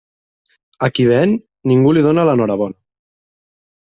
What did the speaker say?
A qui ven, ningú li dóna l'enhorabona.